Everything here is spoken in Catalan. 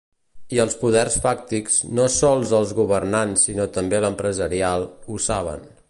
I els poders fàctics, no sols els governants sinó també l’empresarial, ho saben.